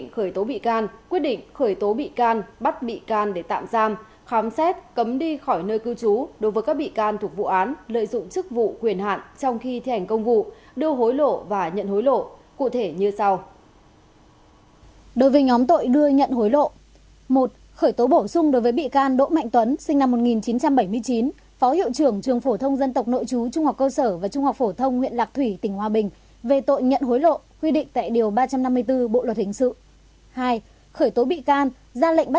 hai khởi tố bị can ra lệnh bắt tạm giam lệnh khám xét chỗ ở nơi làm việc về tội đưa hối lộ quy định tại điều ba trăm sáu mươi bốn bộ luật hình sự đối với hồ trúc sinh năm một nghìn chín trăm bảy mươi năm giáo viên trường trung học phổ thông thanh hà tỉnh hòa bình